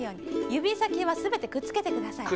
ゆびさきはすべてくっつけてください。